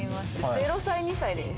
０歳、２歳です。